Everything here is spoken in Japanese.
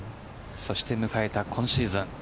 そして迎えた今シーズン。